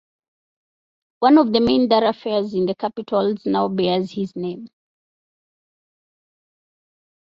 One of the main thoroughfares in the capital now bears his name.